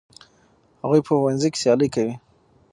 هغوی په ښوونځي کې سیالي کوي.